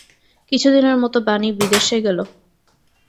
কিছুদিনের মতো বাণী বিদেশে গেল।